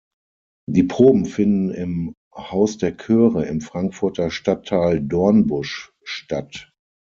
Die Proben finden im "Haus der Chöre" im Frankfurter Stadtteil Dornbusch statt.